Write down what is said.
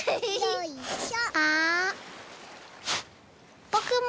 よいしょ。